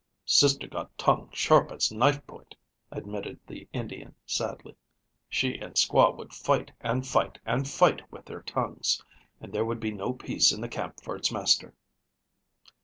"Sister got tongue sharp as knife point," admitted the Indian sadly. "She and squaw would fight and fight and fight with their tongues, and there would be no peace in the camp for its master."